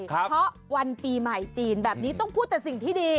เพราะวันปีใหม่จีนแบบนี้ต้องพูดแต่สิ่งที่ดี